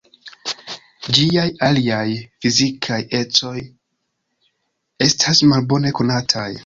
Ĝiaj aliaj fizikaj ecoj estas malbone konataj.